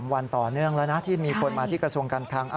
วันต่อเนื่องแล้วนะที่มีคนมาที่กระทรวงการคลัง